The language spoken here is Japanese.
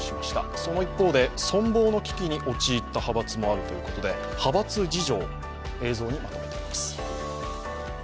その一方で存亡の危機に陥った派閥もあるということで派閥事情を映像にまとめてあります。